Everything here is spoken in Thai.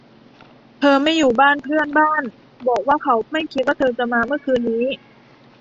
เธอไม่อยู่บ้านเพื่อนบ้านบอกว่าเขาไม่คิดว่าเธอจะมาเมื่อคืนนี้